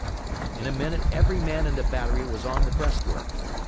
In a minute every man in the battery was on the breastwork.